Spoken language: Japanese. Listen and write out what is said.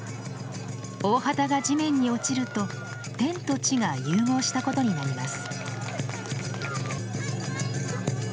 大幡が地面に落ちると天と地が融合したことになります。